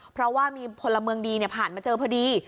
เพราะว่ามีพลเมืองดีผ่านมาเจอพอดี